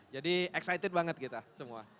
jadi excited banget kita semua